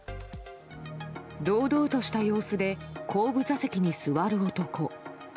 堂々とした様子で後部座席に座る男。